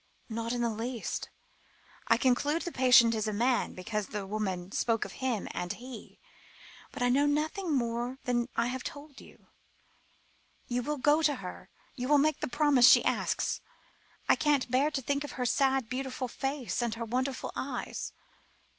"Not in the least. I conclude the patient is a man, because the lady spoke of 'him' and 'he,' but I know nothing more than I have told you. You will go to her? You will make the promise she asks? I can't bear to think of her sad, beautiful face, and her wonderful eyes."